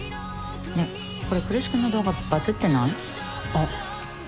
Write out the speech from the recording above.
ねえこれ来栖君の動画バズってない？あっ。